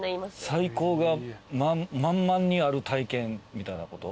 最高が満々にある体験みたいなこと？